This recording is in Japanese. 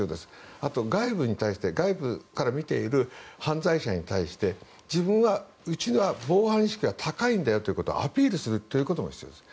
あと外部から見ている犯罪者に対して自分のうちは防犯意識は高いんだということをアピールするということも必要です。